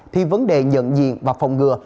thì vấn đề nhận diện và phòng ngừa